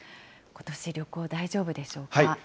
ことし、旅行大丈夫でしょうか。